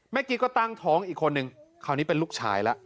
กี้ก็ตั้งท้องอีกคนนึงคราวนี้เป็นลูกชายแล้ว